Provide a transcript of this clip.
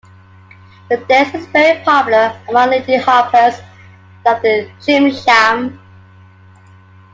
The dance is very popular among Lindy Hoppers, like the Shim Sham.